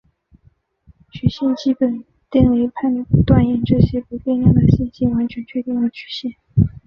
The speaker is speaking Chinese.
曲线基本定理断言这些不变量的信息完全确定了曲线。